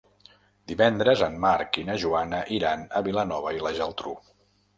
Divendres en Marc i na Joana iran a Vilanova i la Geltrú.